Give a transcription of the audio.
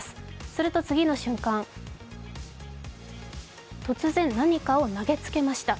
すると次の瞬間、突然、何かを投げつけました。